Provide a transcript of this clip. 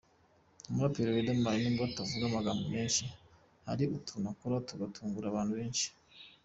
Umuraperi Riderman n’ubwo atavuga amagambo menshi, hari utuntu akora tugatungura abantu benshi .